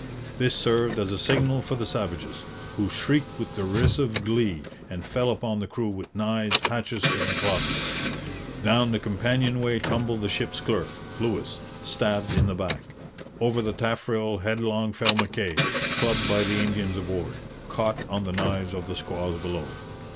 This served as a signal for the savages, who shrieked with derisive glee and fell upon the crew with knives, hatchets, and clubs. Down the companionway tumbled the ship's clerk, Lewis, stabbed in the back. Over the taffrail headlong fell Mackay, clubbed by the Indians aboard, caught on the knives of the squaws below.